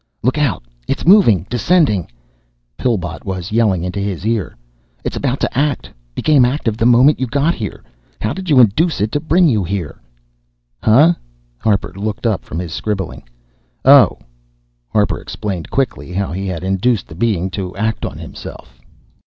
"Look out, It's moving, descending!" Pillbot was yelling into his ear. "It is about to act. Became active the moment you got here. How did you induce it to bring you here?" "Huh?" Harper looked up from his scribbling. "Oh." Harper explained quickly how he had induced the Being to act on himself.